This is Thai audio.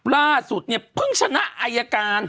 ล่าสุดเนี่ยเพิ่งชนะอายการ